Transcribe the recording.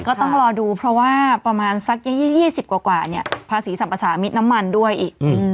ก็ต้องรอดูเพราะว่าประมาณสัก๒๐กว่าเนี่ยภาษีสรรพสามิตรน้ำมันด้วยอีก